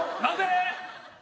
何で？